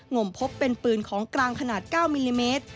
มพบเป็นปืนของกลางขนาด๙มิลลิเมตร